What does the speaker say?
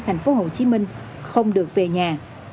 thành phố hồ chí minh không được về nhà